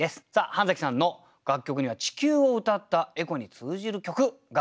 半さんの楽曲には地球を歌ったエコに通じる曲があるんですよね。